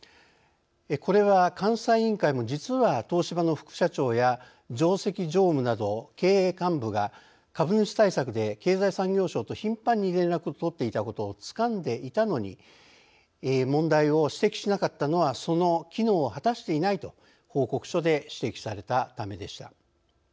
これは、監査委員会も実は東芝の副社長や上席常務など経営幹部が株主対策で経済産業省と頻繁に連絡を取っていたことを掴んでいたのに問題を指摘しなかったのはその機能を果たしていないと報告書で指摘されたためでした。